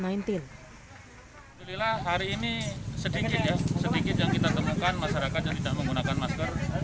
alhamdulillah hari ini sedikit ya sedikit yang kita temukan masyarakat yang tidak menggunakan masker